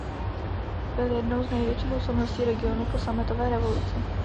Byl jednou z největších osobností regionu po Sametové revoluci.